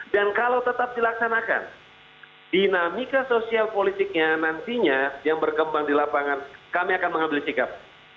dan kalau tetap dilaksanakan dinamika sosial politiknya nantinya yang berkembang di lapangan kami akan mengambil sikap